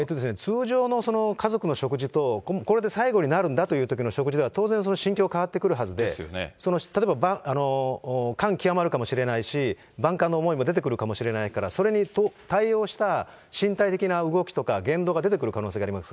通常の家族の食事と、これが最後になるんだというときの食事では、当然、心境が変わってくるはずで、例えば、感極まるかもしれないし、万感の思いも出てくるかもしれないから、それに対応した身体的な動きとか、言動が出てくる可能性があります。